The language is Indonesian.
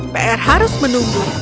pr harus menunggu